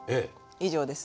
以上です。